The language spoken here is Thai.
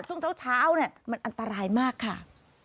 ช่วงเช้าเนี่ยมันอันตรายมากค่ะ